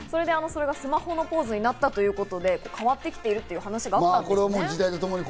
それがスマホのポーズになったということで、変わってきているということですね。